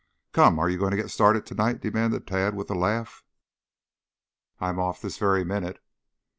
"Come, are you going to get started tonight?" demanded Tad with a laugh. "I'm off this very minute."